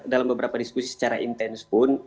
dalam beberapa diskusi secara intens pun